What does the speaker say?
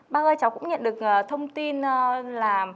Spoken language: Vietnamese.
bác ơi cháu cũng nhận được thông tin là